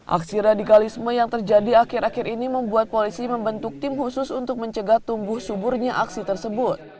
aksi radikalisme yang terjadi akhir akhir ini membuat polisi membentuk tim khusus untuk mencegah tumbuh suburnya aksi tersebut